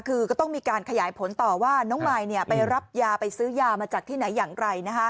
คือก็ต้องมีการขยายผลต่อว่าน้องมายไปรับยาไปซื้อยามาจากที่ไหนอย่างไร